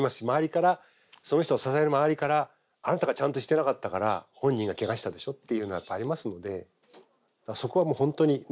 周りからその人を支える周りからあなたがちゃんとしてなかったから本人がけがしたでしょっていうのはやっぱありますのでそこは本当に。